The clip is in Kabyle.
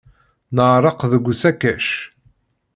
Neɛreq deg usakac.